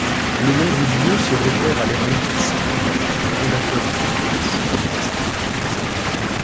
Le nom du lieu se réfère à l'ermite Cyprien, fondateur sur place d'un monastère.